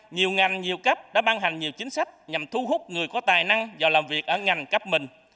nhiều ngành nhiều cấp đã ban hành nhiều chính sách nhằm thu hút người có tài năng vào làm việc ở ngành cấp mình